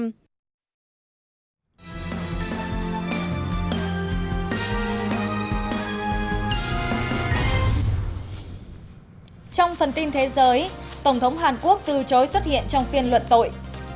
trong phần tin thế giới tổng thống hàn quốc từ chối xuất hiện trong phiên luận tội